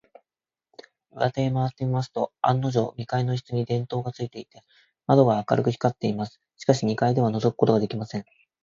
裏手へまわってみますと、案のじょう、二階の一室に電燈がついていて、窓が明るく光っています。しかし、二階ではのぞくことができません。